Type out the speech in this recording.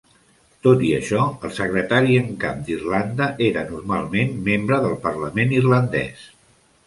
Tot i això, el secretari en cap d'Irlanda era normalment membre del parlament irlandès.